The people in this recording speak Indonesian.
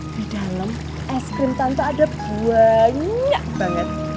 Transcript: di dalam es krim tante ada banyak banget